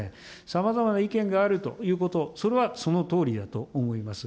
さまざまな意見があるということ、それはそのとおりだと思います。